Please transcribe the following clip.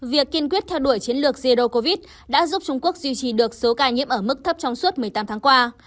việc kiên quyết theo đuổi chiến lược zidocov đã giúp trung quốc duy trì được số ca nhiễm ở mức thấp trong suốt một mươi tám tháng qua